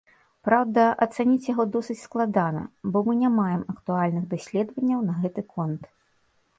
Праўда, ацаніць яго досыць складана, бо мы не маем актуальных даследванняў на гэты конт.